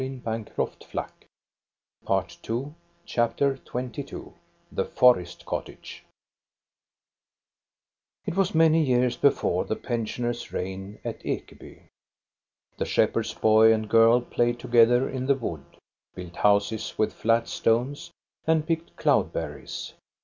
438 THE STORY OF GOSTA BERLING CHAPTER XXII THE FOREST COTTAGE It was many years before the pensioners' reigpi at Ekeby. The shepherd's boy and girl played together in the wood, built houses with flat stones, and picked cloud berries.